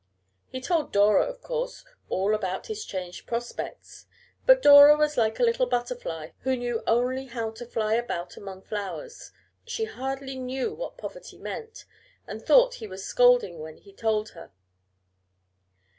He told Dora, of course, all about his changed prospects, but Dora was like a little butterfly who knew only how to fly about among flowers; she hardly knew what poverty meant, and thought he was scolding when he told her.